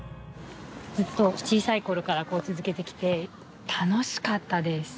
ずっと小さいころから続けてきて、楽しかったです。